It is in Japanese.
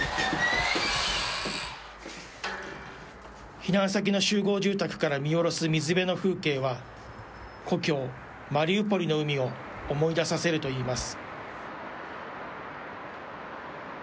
避難先の集合住宅から見下ろす水辺の風景は、故郷、マリウポリの海を思い出させるといいます。